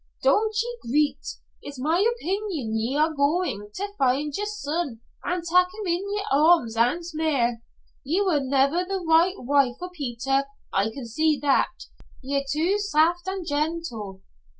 Don't ye greet. It's my opeenion ye're goin' to find yer son an' tak him in yer arms ance mair. Ye were never the right wife for Peter. I can see that. Ye're too saft an' gentle."